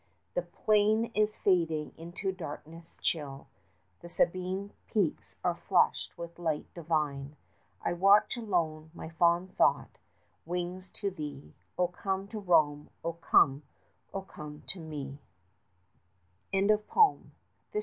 100 The plain is fading into darkness chill, The Sabine peaks are flushed with light divine, I watch alone, my fond thought wings to thee; Oh, come to Rome oh come, oh come to me!